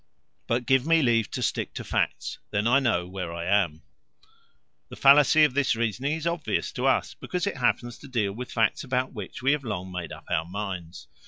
But give me leave to stick to facts; then I know where I am." The fallacy of this reasoning is obvious to us, because it happens to deal with facts about which we have long made up our minds.